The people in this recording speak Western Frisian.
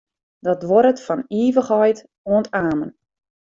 Dat duorret fan ivichheid oant amen.